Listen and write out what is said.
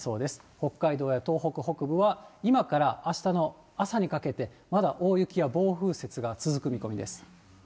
北海道や東北北部は今からあしたの朝にかけて、まだ大雪や暴風雪が続く見込みです。